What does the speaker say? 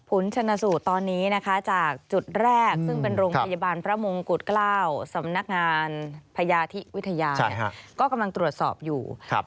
ผลชนสูตรตอนนี้นะคะจากจุดแรกซึ่งเป็นโรงพยาบาลพระมงกุฎเกล้าสำนักงานพญาธิวิทยาก็กำลังตรวจสอบอยู่